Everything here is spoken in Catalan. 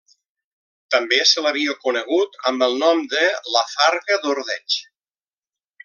També se l'havia conegut amb el nom de La Farga d'Ordeig.